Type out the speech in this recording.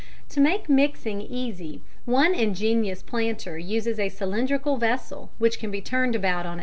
To make mixing easy one ingenious planter uses a cylindrical vessel which can be turned about on its axis.